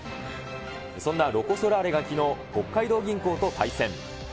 そんなロコ・ソラーレがきのう、北海道銀行と対戦。